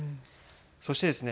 そしてですね